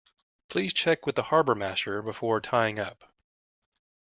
Please check with the harbourmaster before tying up